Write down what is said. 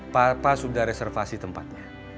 papa sudah reservasi tempatnya